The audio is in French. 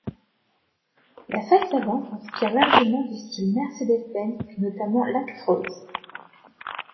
La face avant s'inspire largement du style Mercedes-Benz et notamment L'Actros.